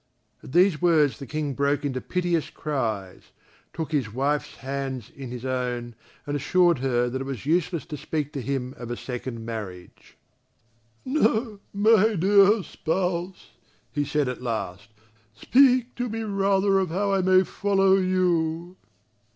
At these words the King broke into piteous cries, took his wife's hands in his own, and assured her that it was useless to speak to him of a second marriage. "No, my dear spouse," he said at last, "speak to me rather of how I may follow you."